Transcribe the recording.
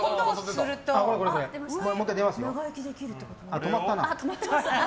あ、止まったな。